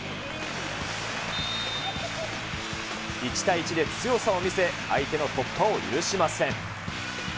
１対１で強さを見せ、相手の突破を許しません。